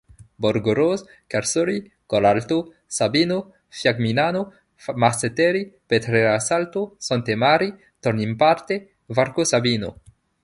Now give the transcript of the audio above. Borgorose, Carsoli, Collalto Sabino, Fiamignano, Marcetelli, Petrella Salto, Sante Marie, Tornimparte, Varco Sabino.